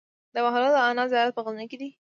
د بهلول دانا زيارت په غزنی کی دی